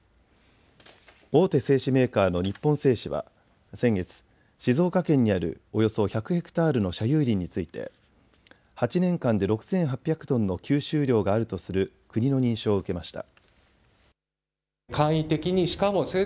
大手製紙メーカーの日本製紙は先月、静岡県にあるおよそ１００ヘクタールの社有林について８年間で６８００トンの吸収量があるとする国の認証を受けました。